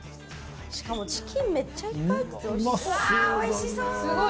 しかもチキンめっちゃいっぱい入ってて美味しそう。